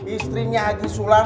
istrinya aja yang membawa uang jutaan